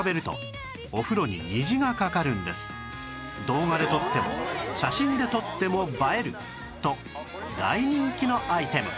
動画で撮っても写真で撮っても映えると大人気のアイテム